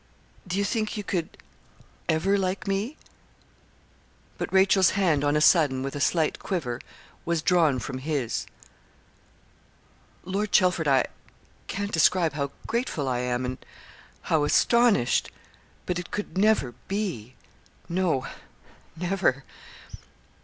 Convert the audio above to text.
Do you think you could ever like me?' But Rachel's hand, on a sudden, with a slight quiver, was drawn from his. 'Lord Chelford, I can't describe how grateful I am, and how astonished, but it could never be no never.'